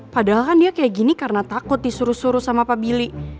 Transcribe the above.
padahal kan dia kayak gini karena takut disuruh suruh sama pak billy